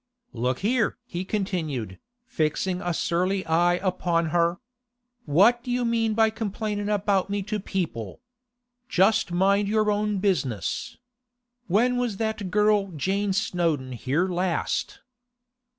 'Look here!' he continued, fixing a surly eye upon her. 'What do you mean by complaining about me to people? Just mind your own business. When was that girl Jane Snowdon here last?